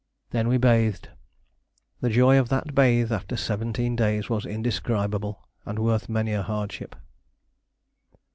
Then we bathed. The joy of that bathe after seventeen days was indescribable, and worth many a hardship.